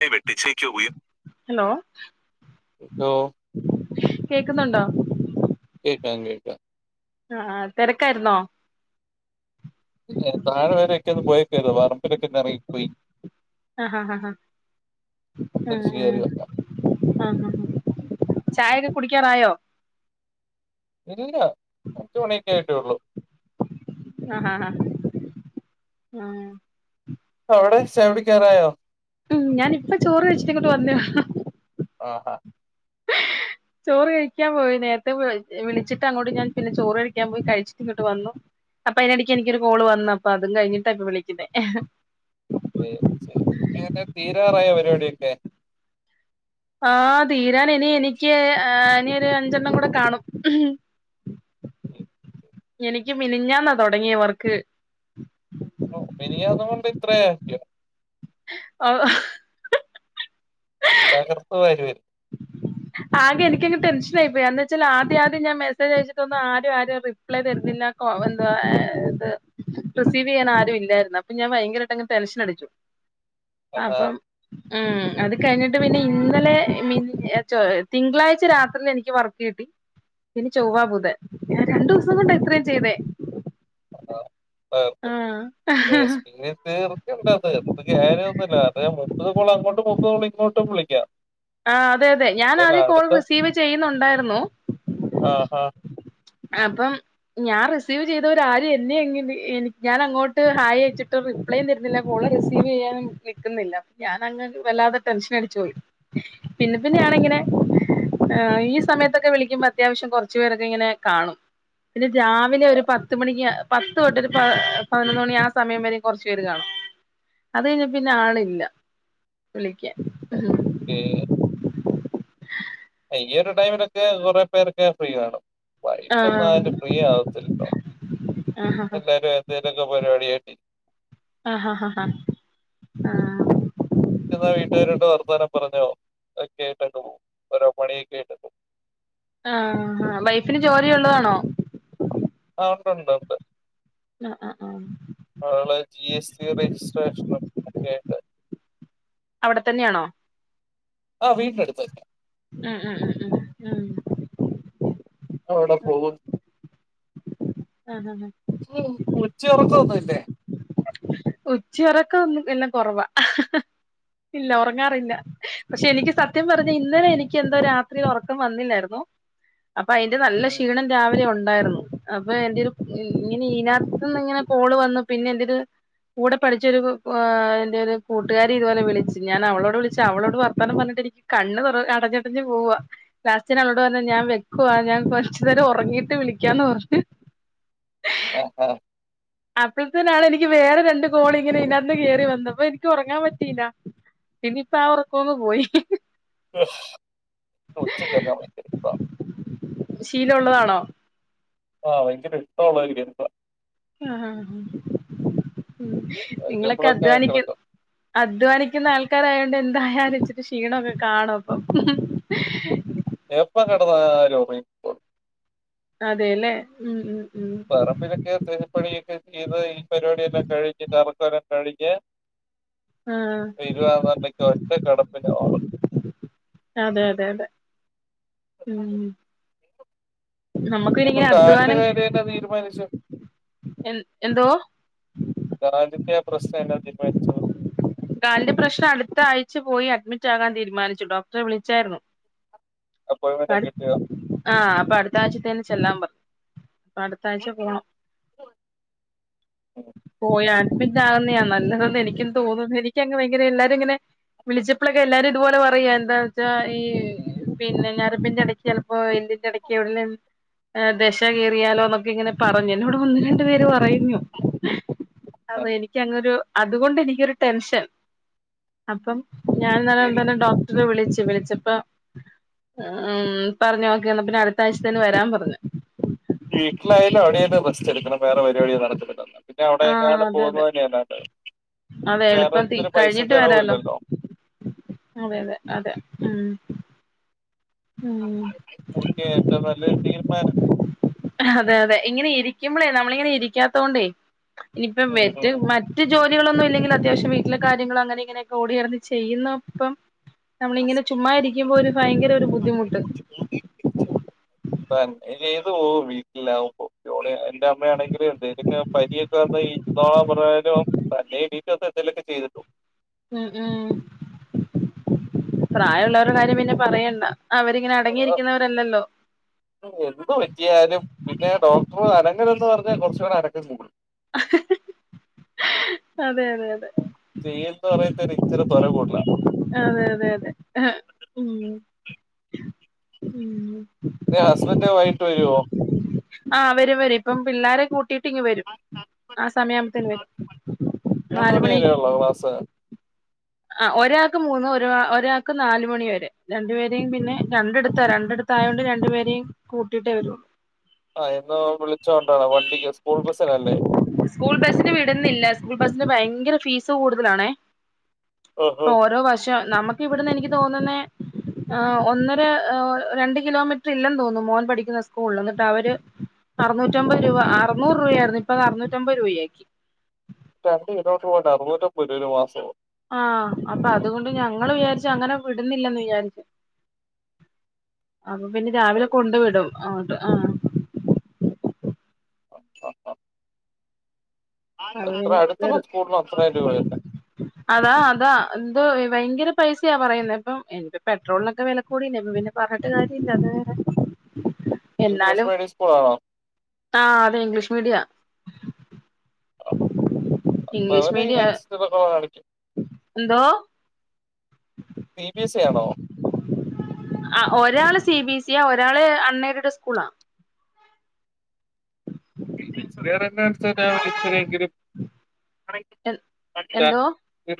[unintelligible] Hello ലോ. കേക്കുന്നുണ്ടോ? കേക്കാം കേക്കാം. ആഹ് തിരക്കായിര്ന്നോ? പർമ്പിലൊക്കെന്നെ എർങ്ങി പോയി. ആഹ് ആഹ് ആഹ് തിരിച്ചു ആഹ കയറി വരാം ആഹ്ഹ് ചായ കുടിക്കാറായോ? ഇല്ല അഞ്ച് മണിയൊക്കെ ആയിട്ടേള്ളു. ആഹ ആഹ് ആഹ ആ അവിടെ ചായ പിടിക്കാറായോ ഉം ഞാനിപ്പ ചോറ് കഴിച്ചിട്ട് ഇങ്ങോട്ട് വന്നേ- ആഹാ ചോറ് കഴിക്കാൻ പോയി നേരത്തെ വിളിച്ചിട്ട് അങ്ങോട്ട് ഞാൻ പിന്നെ ചോറ് കഴിക്കാൻ പോയി കഴിച്ചിട്ട് ഇങ്ങോട്ട് വന്നു അപ്പ അയിനിടക്ക് എനിക്കൊരു കോള് വന്നു അപ്പൊ അതും കഴിഞ്ഞിട്ടാപ്പൊ വിളിക്കുന്നേ എങ്ങനെ തീരാറായോ പരിപാടിയൊക്കെ ആ തീരാൻ ഇനി എനിക്ക്- ഒര് അഞ്ചെണ്ണം കൂടെ കാണും [inaudible] എനിക്ക് മിനിഞ്ഞന്നാ തൊടങ്ങിയവർക്ക് ഓ ഇനി അതുകൊണ്ട് ഇത്രയ ആക്കിയോ ഓ തകർത്ത് വരുവാ ആകെ എനിക്കങ്ങ് ടെൻഷൻയി പോയി എന്ന് വെച്ചാൽ ആദ്യം ആദ്യം ഞാൻ മെസ്സേജ് അയച്ചിട്ട് തന്ന ആരും ആരും റിപ്ലൈ തരുന്നില്ല എന്തുവാ റിസീവ് ചെയ്യാൻ ആരും ഇല്ലായിരുന്നു അപ്പൊ ഞാൻ ഭയങ്കരമായിട്ട് അങ്ങ് ടെൻഷൻ അടിച്ചു ആഹാ അപ്പം ഉം അത് കഴിഞ്ഞിട്ട് പിന്നെ ഇന്നലെ മി - തിങ്കളാഴ്ച രാത്രിയിൽ എനിക്ക് വർക്ക് കിട്ടി ഇനി ചൊവ്വാ ബുധൻ ഞാൻ രണ്ടു ദിവസം കൊണ്ട് ഇത്രയും ചെയ്തേ ആഹ ആഹ് ! ! ! ! ! ! ! ! ! ! ! ! ! ! ! ! ! ! ! !! ! ! ! ! ! ! ! ! ! ആഹാ ! ! ! ! ! ! ! ! ! ! കാണും പിന്നെ. രാവിലെ ഒരു പത്ത് മണിക്ക് ! ! ! ! ! ! ! ! ! ! ! ! ! ! ! ! ! ! ! ! [inaudible] ഓക്കെ ഈ ഒരു ടൈമിലൊക്കെ കുറെ പേരൊക്കെ ഫ്രീ കാണും. വൈകിട്ടൊന്നാരും ആഹ് ഫ്രീ ആകത്തില്ലല്ലോ. ആഹ് എല്ലാരും എന്തേലൊക്കെ പരിപാടിയായിട്ടിരിക്കും. ആഹ് ആഹ് ആഹ് ആഹ് എന്നാ വീട്ടുകാരോട്ട് വർത്താനം പറഞ്ഞോ ഒകേട്ടണ്ട് അങ്ങ് പോകും. ഓരോ പണിയൊക്കെ ആയിട്ടു അങ്ങ് പോകും.. ആഹ് ആഹ് വൈഫിന് ജോലിയുള്ളതാണോ? ആ ഉണ്ട് ഉണ്ട് ഉണ്ട്. ആഹ് ആഹ് ആഹ് ആള് ജി എസ് ടി രജിസ്ട്രേഷനും ഒക്കെയായിണ്ട്. അവിടെ തന്നെയാണോ. ആഹ് വീട്ടിനടുത്ത് തന്നെയാ. ഉം ഉം ഉം ഉം ഉം അവിടെ പോകും. ആഹ് ആഹ് ഉം ഉച്ച ഉറക്കം ഒന്നും ഇല്ലേ. ഉച്ച ഉറക്കം എല്ലാം കുറവാ, ഇല്ല ഉറങ്ങാറില്ല പക്ഷെ എനിക്ക് സത്യം പറഞ്ഞാൽ ഇന്നലെ എനിക്ക് എന്താ രാത്രി ഉറക്കം വന്നില്ലായിരുന്നു. അപ്പൊ അതിന്റെ നല്ല ക്ഷീണം രാവിലെ ഉണ്ട്. ഉണ്ടായിരുന്നു അപ്പൊ എന്റെ ഒരു ഇങ്ങനെ ഇതിനകത്തിന്ന് ഇങ്ങനെ കാള് വന്നു, പിന്നെ എന്റെയൊരു. കൂടെ പഠിച്ചൊരു ഏഹ് എൻ്റെ ഒരു കൂട്ടുകാരി ഇതുപോലെ വിളിച്ച്, ഞാൻ അവളോട് വിളിച്ച് അവളോട് വർത്താനം പറഞ്ഞിട്ട് എനിക്ക് കണ്ണ് അടഞ്ഞടഞ്ഞ് പോവാ, ലാസ്റ്റ് ഞാൻ അവളോട് പറഞ്ഞ് ഞാൻ വെക്കുവാ, ഞാൻ കുറച്ചു നേരം ഉറങ്ങിയിട്ട് വിളിക്കാന്ന് പറഞ്ഞു. ആഹ് ആഹ് അപ്പോഴത്തെനാണ് എനിക്ക് വേറെ രണ്ട് കോള് ഇങ്ങനെ ഇതിനകത്തിന്ന് കയറി വന്ന്, അപ്പൊ എനിക്ക് ഉറങ്ങാൻ പറ്റിയില്ല ഇനിയിപ്പ ആ ഉറക്കൊന്ന് പോയി. [unintelligible] ഉച്ചക്ക് അവിടെ എന്തെടുക്കുവാ. ശീലം ഉള്ളതാണോ. ആ ഭയങ്കര ഇഷ്ടുള്ള ഒരു. [unintelligible] ആഹ് ആഹ് ആഹ് ഉം നിങ്ങളൊക്കെ പറ്റുമ്പോഴൊക്കെ അധ്വാനിക്കും, കിടക്കും. അധ്വാനിക്കുന്ന ആൾക്കാരായാ ഇന്ന് എന്തായാലും ഇച്ചിരി ക്ഷീണം ഒക്കെ കാണും അപ്പം. എപ്പോ കിടന്നാലും ഉറങ്ങിപ്പോണ്. അതെല്ലേ ഉം ഉം. പറമ്പിലൊക്കെ കൃഷിപ്പണിയൊക്കെ ചെയ്തു ഈ പരിപാടി എല്ലാം കഴിഞ്ഞിട്ട്. [unintelligible] കഴിഞ്ഞ്. ആഹ് വരുവാനുന്നെങ്കി ഒറ്റ കെടപ്പിന് ഒറങ്ങും. അതെ അതെ അതെ നമുക്ക് ഇനി പിന്നെ ഇപ്പൊ ഇങ്ങനെ കാലിന്റെ അധ്വാനം കാര്യം എന്നാ തീരുമാനിച്ചു എ എന്തോ കാലിൻറെ ആ പ്രശ്നം എന്നാ തീരുമാനിച്ചത് കാലിന്റെ പ്രശ്നം അടുത്ത ആഴ്ച പോയി അഡ്മിറ്റ് ആകാൻ തീരുമാനിച്ചു ഡോക്ടറെ വിളിച്ചായിരുന്നു അപ്പോയിന്റ്മെന്റ് ഒക്കെ അടു കിട്ടിയോ ആഹ് അപ്പൊ അടുത്ത ആഴ്ചത്തെതേനു ചെല്ലാൻ പറഞ്ഞു അടുത്ത ആഴ്ച പോണം ഉം. പോയാൽ- പിന്നെ ആകുന്നതാ നല്ലതെന്ന് എനിക്കും തോന്നുന്നു ഇനി എനിക്ക് അങ്ങ് ഭയങ്കര എല്ലാരും ഇങ്ങനെ വിളിച്ചപ്പോഴൊക്കെ എല്ലാരും ഇതുപോലെ പറയ്യാ എന്താന്ന് വെച്ചാ ഈ പിന്നെ ഞരമ്പിന്റ എടയ്ക്ക് ചിലപ്പോ എല്ലിന്റെ ഇടക്ക് എവിടേലും ദശ കേറിയാലോ എന്നൊക്കെ ഇങ്ങനെ പറഞ്ഞു എന്നോട് ഒന്ന് രണ്ടു പേര് പറയും അയ്യോ അപ്പൊ എനിക്ക് അങ്ങ് ഒരു - അതുകൊണ്ട് എനിക്കൊരു ടെൻഷൻ അപ്പം- ഞാൻ തന്നെ ഈ- എന്തായാലും ഡോക്ടറെ വിളിച്ചു വിളിച്ചപ്പോ ഉം പറഞ്ഞു ഓക്കേ എന്ന് പിന്നെ അടുത്ത ആഴ്ചതേന്ന് വരാൻ പറഞ്ഞു ചെറുക്കന് [unintelligible] വേറെ പരിപാടി ഒന്നും നടക്കുന്നില്ല പിന്നെ അവിടെ ആഹ് എങ്ങാണ് അതെ അതെ പോകുന്നത് തന്നെയാ നല്ലത് അതെ വേറ എളുപ്പം തി ഒത്തിരി പൈസ ചെലവും ഇല്ലല്ലോ അതെതെ അതെ ഉം ഉം എനിക്ക് ഏറ്റവും നല്ലൊരു തീരുമാനം അതെ അതെ ഇങ്ങനെ ഇരി ഇരിക്കുമ്പോഴേ നമ്മളിങ്ങനെ ഇരിക്കാത്തോണ്ടേ. ഇനിപ്പം ഉം മെറ്റ് മറ്റ്. ജോലികളൊന്നും ഇല്ലെങ്കിൽ അത്യാവശ്യം വീട്ടിലെ കാര്യങ്ങളും അങ്ങനെ ഇങ്ങനെയൊക്കെ ഓടി നടനന്ന് ചെയ്യുന്ന ഒപ്പം. നമ്മള് ഇങ്ങനെ ചുമ്മാ ഇരിക്കുമ്പോ ഒരു ഭയങ്കര ഒരു ബുദ്ധി മുട്ട് ഇപ്പൊ നീ ചെയ്തു പോകും വീട്ടിലേക്കുമ്പോ [unintelligible] ആരെയും. എന്റെ അമ്മയാണെങ്കിലും വരുന്നു പനിയൊക്കെ ആകുമ്പോഴേ. ചുമ്മ പറഞ്ഞാലും തന്നെ എണീറ്റ് വന്ന് എന്തേലൊക്കെ ചെയ്തിട്ടു പോവും. ഉം ഉം പ്രായമുള്ളവരുടെ കാര്യം പിന്നെ പറയണ്ട. അവരിങ്ങനെ ആ അടങ്ങിയിരിക്കുന്നവരല്ലല്ലോ എന്ത് പറ്റിയാലും പിന്നെ ഡോക്ട ഓ അതുങ്ങനെ എന്ന് പറഞ്ഞാൽ കുറച്ചുകൂടെ അനക്കം കൂടും. അതെ അതെ അതെ ചെയ്യേണ്ട പറഞ്ഞു ടീച്ചറും. അതെ അതെ അതെ ആഹ് ഉം. ഉം ഹുസ്ബൻഡ് വൈകിട്ട് വരുവോ? ആഹ് വരും വരും ഇപ്പം പിള്ളേര് കൂ ട്ടിയിട്ട് ഇങ്ങ് വരും ആ സമയ ആകുമ്പത്തേന് വരും, മൂന്ന് മണി നാലുമണിക്ക്. വരെയുള്ളോ ക്ലാസ് ആ ഒരാൾക്ക് മൂന്ന് ഒ ഒരാൾക്ക് നാല് മണി വരെ രണ്ടു പേരേം പിന്നെ രണ്ടടുത്ത രണ്ടിടുത്തായോണ്ട് രണ്ടുപേരെയും കൂട്ടിയിട്ടേ വരൊള്ളൂ ആഹ് എന്നാ വിളിച്ച് കൊണ്ടാണ് വണ്ടിക്ക് സ്കൂൾ ബസിനല്ലേ തിന് ഭയങ്കര ഫീസ് കൂടുതലാണേ ഓരോ വർഷം നമുക്ക് ഇവിടുന്ന് എനിക്ക് തോന്നുന്നെ അ ഒന്നര ഒ രണ്ട് കിലോമീറ്റർ ഇല്ലെന്ന് തോന്നുന്നു മോൻ പഠിക്കുന്ന സ്കൂളിൽ എന്നിട്ട് അവര് അറുനൂറ്റമ്പത് രൂപ അറനൂറ് രൂപ ആയിരുന്നു ഇപ്പൊ അത് അറനൂറ്റമ്പത് രൂപയാക്കി രണ്ടു കിലോ [unintelligible] അറുപത്‌ പുലരുമാസൊ ആഹ അപ്പൊ അതുകൊണ്ട് ഞങ്ങള് വിചാരിച്ചു അങ്ങനെ വിടുന്നില്ലന്ന് വിചാരിച്ചു അപ്പൊ പിന്നെ രാവിലെ കൊണ്ടു വിടും ആട് ആഹ് അ അ അ സ്കൂളിന് അത്രയും രൂപ വരുന്നത് [unintelligible] അതാ അതാ എന്തോയ്യും ഭയങ്കര പൈസയാ പറയുന്നെ ഇപ്പ എന്റെ പെട്രോളിനൊക്കെ വെല കൂടില്ലെ പ്പ പിന്നെ പറഞ്ഞിട്ട് കാര്യല്ല അത് ഇംഗ്ലീഷ് എന്നാലും മീഡിയം സ്കൂളാണോ ആഹ് അതെ ഇംഗ്ലീഷ് മീഡിയ ആ അപ്പൊ ഇംഗ്ലീഷ് അവര് മീഡിയം അതിനനുസരിച്ചുള്ള കുറവ് കാണിക്കും എന്തോ സി ബി എസ് ഇ ആണോ ഒരാള് സി ബി സ്യ ഒരാള് അൺ എയ്ഡഡ് സ്കൂളാ [unintelligible] വിളിച്ചെങ്കിലും [unintelligible] എന്തോ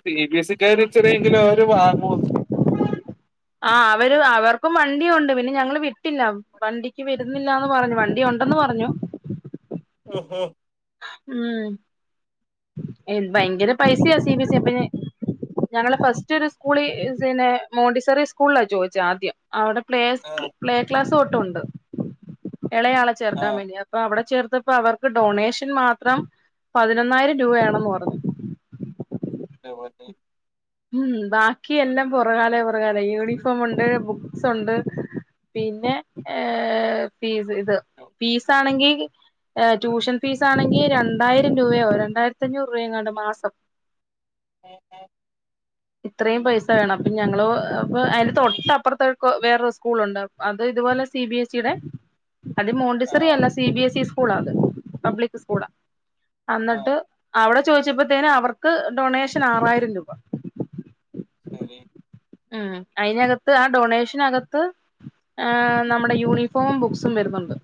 സി ബി എസ് ഇ ക്കാർ ഇചിരിം ലോരു വാങ്ങു ആ അവര് അവർക്കും വണ്ടി ഉണ്ട് പിന്നെ ഞങ്ങള് വിട്ടില്ല വണ്ടിക്ക് വിടുന്നില്ലാന്ന് പറഞ്ഞു വണ്ടി ഉണ്ടെന്ന് പറഞ്ഞു ഒ ഹോ ഉം ഭയങ്കര പൈസയാ സി ബ എസ് ഇ അ പിന്നെ ഞങ്ങള ഫസ്റ്റ് ഒരു സ്കൂളി പിന്നെ മോണ്ടിസറി സ്കൂളില ചോയ്ച്ച ആദ്യം അവിടെ പ്ലേസ് ആ പ്ലേ ക്ലാസ് തൊ ട്ടൊണ്ട് എളയാളെ ആ ചേർക്കാൻവേണ്ടി അപ്പ അവടെ ചേർത്ത് ത്തപ്പം അവർക്ക് ഡൊണേഷൻ മാത്രം പതിനൊന്നായിരം രൂപയാണെന്ന് പറഞ്ഞു ന്റ [unintelligible] ഉം ബാക്കി എല്ലാം പുറകാലെ പുറകാലെ യൂണിഫോം ഉണ്ട് ബുക്സ് ഉണ്ട് പിന്നെ ഫീസ് ഫീസാണെങ്കി ട്യൂഷൻ ഫീസാണെങ്കിൽ രണ്ടായിരം രൂപയോ രണ്ടായിരത്തഞ്ഞൂറ് രൂപയങ്ങണ്ട് മാസം എ ഏ ഇത്രയും പൈസ വേണം അപ്പൊ ഞങ്ങള് ഇപ്പ അതിന് തൊട്ട അപ്പൊറത്ത വേറൊരു സ്കൂളുണ്ട് അത് ഇതുപോലെ സി ബി എസ് ഇ ടെ അത് ആ മോണ്ടിസറി അല്ലാ സി ബി എസ് ഇസ് സ്‌കൂളാ അത് പബ്ലിക് സ്കൂളാ ആ എന്നിട്ട് അവിടെ. ചോദിച്ചപ്പോത്തിനെ അവർക്ക് ഡൊണേഷൻ ആറായിരം രൂപ. [unintelligible] ഉം അതിനകത്ത് ആ ഡൊണേഷനകത്ത് ആഹ് നമ്മുടെ യൂണിഫോമും ബുക്സും വരുന്നുണ്ട്.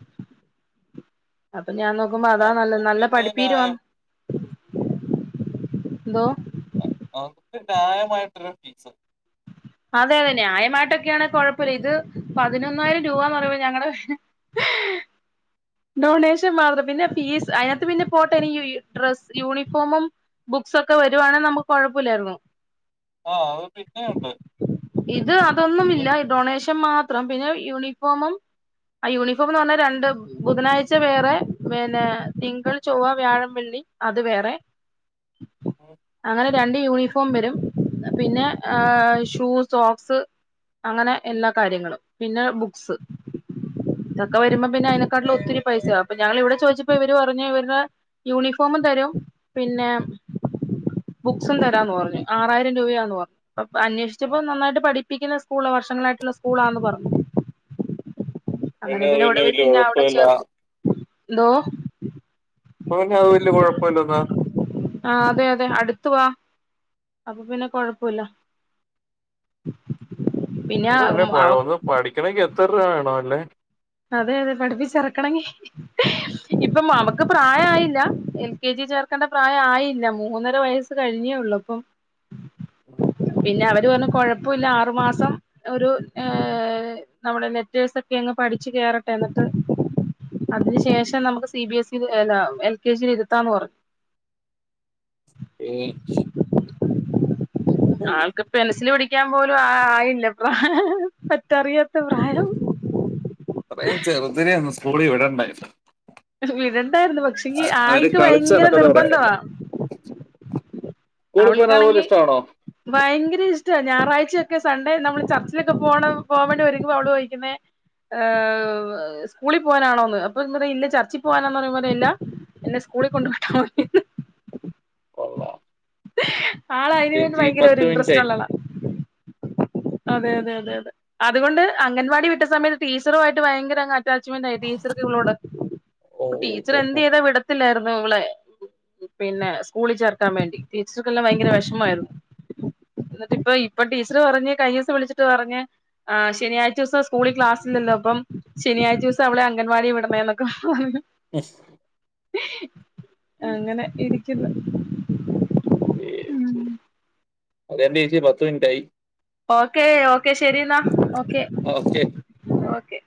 ഞാൻ നോക്കുമ്പോ ആ അതാ അത് നല്ലത്, നല്ല പിന്നെ പഠിപ്പീരുവാ. ന്യായം എന്തോ ഫസ്റ്റ് ന്യായമായിട്ട് ഒരു ഫീസ്. അതെ അതെ ന്യായമായിട്ട് ഒക്കെയാണ് കുഴപ്പമില്ല, ഇത് പതിനൊന്നായിരം രൂപന്ന് പറയുമ്പോ ഞങ്ങടെ. ഡൊണേഷൻ മാത്രം പിന്നെ ഫീസ് അതിനകത്ത് പിന്നെ പോട്ടെ ഈ ഡ്രസ്സ് യൂണിഫോമും ബുക്സൊക്കെ വരുവാണെ നമുക്ക് കൊഴപ്പില്ലാരുന്നു. ആഹ് അത് പിന്നെയുണ്ട്. ഇത് ഇത് അതൊന്നുമില്ല ഈ ഡൊണേഷൻ. ഷൻ മാത്രം പിന്നെ യൂണിഫോമും ആ യൂണിഫോം എന്ന് പറഞ്ഞാൽ രണ്ട്. ബുധനാഴ്ച വേറെ പിന്നെ തിങ്കൾ ചൊവ്വ വ്യാഴം വെള്ളി അത് വേറെ. അങ്ങനെ രണ്ട് യൂണിഫോം വരും, പിന്നെ ഷൂ സോക്സ് അങ്ങനെ എല്ലാ കാര്യങ്ങളും, പിന്നെ ബുക്സ് ഇതൊക്കെ വരുമ്പോ പിന്നെ അങ്ങനെ. [unintelligible] ഒത്തിരി പൈസയാക്കും അപ്പൊ ഞാനിവിടെ ചോദിച്ചപ്പോ ഇവർ പറഞ്ഞു ഇവരുടെ യൂണിഫോമും തരും പിന്നെ ബുക്സും തരാന്ന് പറഞ്ഞു ആറായിരം രൂപയാന്ന് പറഞ്ഞു. അപ്പ അന്വേഷിച്ചപ്പോ അത് നന്നായിട്ട് പഠിപ്പിക്കുന്ന സ്കൂള് വർഷങ്ങളായിട്ടുള്ള സ്‌ സ്‌കൂളാന്ന് പറഞ്ഞു. പിന്നെ അത് പിന്നെ വല്യ കൊഴപ്പില്ല. ദോ അത് പിന്നെ അത് വല്യ കൊഴപ്പല്ലന്ന്. ആ അതെ അതെ അടുത്തു വാ. അപ്പ പിന്നെ കൊഴപ്പില്ല. ഒന്ന് തന്നെ പ ഒന്ന് പഠിക്കണങ്കി എത് ഇത്ര രൂപ വേണോ അല്ലെ? അതെ അതെ പഠിപ്പിച്ചെർക്കണങ്കി ഇപ്പം അവക്ക് പ്രായയായില്ല, എൽ കെ ജി ചേർക്കണ്ട പ്രായയില്ല മൂന്നര വയസ്സ് കഴിഞ്ഞേള്ളു ഇപ്പം. പിന്നെ അവ ഒരു കൊല്ലം കൊഴപ്പില്ല ആറുമാസം ഒരു ഏ നമ്മുടെ ലെറ്റേഴ്സൊക്കെങ്ങ് പഠി കേറട്ടെ എന്നിട്ട് അതിന് ശേഷം നമുക്ക് സി ബി എസ് സി എല്ല ഇൽ എൽ കെ ജിൽ ഇരുത്താന്ന് പറഞ്ഞു. ഏ ആൾക്ക് പെൻസില് പിടി ക്കാൻ പോലും ആയില്ല, പറ്ററിയത് പറയാൻ ചെറുതിനെ ഒന്ന് സ് കൂളി വിടണ്ടേ. വിടണ്ടായിരുന്നു പക്ഷെങ്കി ആൾക്ക് കളിച്ച് ഭയങ്കര നടക്കുന്ന പ്രായമല്ലേ നിർബന്ധവാ സ്കൂളിൽ പോകാൻ അതുപോലെ അവൾക്കാണെങ്കിൽ ഇഷ്ടമാണോ ഭയങ്കര ഇഷ്ട ഞായറാഴ്ച ക്കെ സൺഡേ നമ്മള് ചർച്ചിലൊക്കെ പോണ പോവേണ്ടി [unintelligible] അവള് ചോയ്ക്കുന്നെ ഏ സ്കൂളിൽ പോവനാണോന്ന് അപ്പൊ എന്ത അറിയ ഇല്ല ചർച്ചി പോവാനാന്നറിയുമ്പോ പറയും ഇല്ല എന്നെ സ്കൂളിൽ കൊണ്ട് വിട്ടാ മതിന്ന് കൊള്ളാം ആള് അയിന് വേണ്ടി ചേച്ചി ഭയങ്കര ഒരു പത്ത് മിനിറ്റ് ഇൻട്രസ്റ്റ് ആയി ഉള്ള ആളാ അതെ അതെ അതെ അതെ അതുകൊണ്ട് അംഗൻവാടി വിട്ട സമയത്ത് ടീച്ചറു ആയിട്ട് ഭയങ്കര അറ്റാച്ച്മെന്റ് ആയി ടീച്ചർക്ക് ഇവളോട് ഓ അപ്പം ടീച്ചർ ഓ, എന്ത് ഓ. ചെയ്ത വിടത്തില്ലായിരുന്നു. [unintelligible] വളെ പിന്നെ സ്കൂളി ചേർക്കാൻ വേണ്ടി ടീച്ചർക്കെല്ലാം ഭയങ്കര വെഷമായിരുന്നു എന്നിട്ടിപ്പ ഇപ്പ ടീച്ചർ പറഞ്ഞ് കൈഞ്ഞ ദിവസം വിളിച്ചിട്ട് പറഞ്ഞ് ആ ശനിയാഴ്ച ദിവസം സ് കൂളിൽ ക്ലാസ്സില്ലല്ലോ അപ്പം ശനിയഴ്ച ദിവസ അവളെ അൻവാടി വിടണെ എന്നക്കെ പറയും എസ് അങ്ങനെ ഇരിക്കുന്നു [unintelligible] അതന്നെ ചേച്ചി പത്ത് മിനിറ്റായി ഓക്കേ ഓ ക്കെ ശരിന്നാ ഓക്കെ ഓക്കെ ഓക്കെ